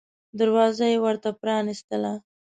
دروازه یې ورته پرانیستله.